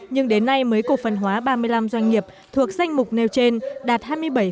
nhưng đến nay mới cổ phần hóa ba mươi năm doanh nghiệp thuộc danh mục nêu trên đạt hai mươi bảy